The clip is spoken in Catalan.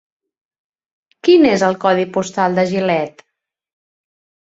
Quin és el codi postal de Gilet?